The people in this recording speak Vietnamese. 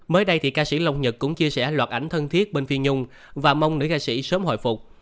mới đây thì ca sĩ long nhật cũng chia sẻ loạt ảnh thân thiết bên phi nhung và mong nữ ca sĩ sớm hồi phục